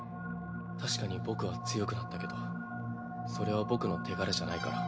確かに僕は強くなったけどそれは僕の手柄じゃないから。